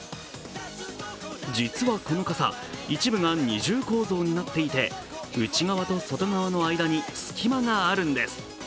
実はこの傘、一部が二重構造になっていて、内側と外側の間に隙間があるんです。